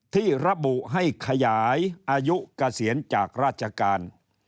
ที่ระบุให้ขยายอายุเกษียณจากราชการ